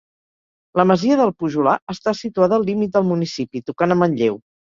La masia del Pujolar està situada al límit del municipi, tocant a Manlleu.